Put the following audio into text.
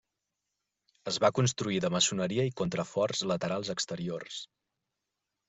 Es va construir de maçoneria i contraforts laterals exteriors.